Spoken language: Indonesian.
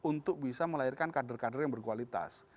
untuk bisa melahirkan kader kader yang berkualitas